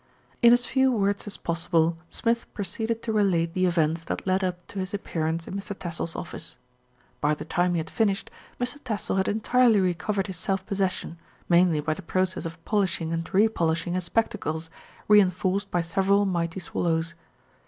In as few words as possible Smith proceeded to re 154 THE RETURN OF ALFRED late the events that led up to his appearance in Mr. Tassell's office. By the time he had finished, Mr. Tassell had entirely recovered his self possession, mainly by the process of polishing and re polishing his spectacles, reinforced by several mighty swallows.